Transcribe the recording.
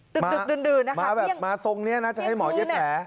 ตึกนะค่ะมาทรงนี้นะจะให้หมอยัดแผล